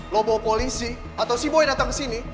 lo bawa polisi atau si boy dateng kesini